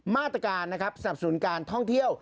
มาตรการนะครับสนับสนุนการท่องเที่ยว